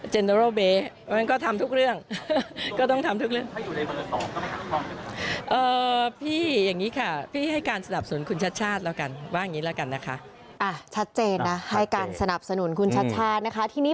บริษัทเลยก็ก็ทำทุกเรื่องต้องทำทุกเรื่อง